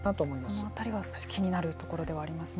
その辺りは少し気になるところではありますね。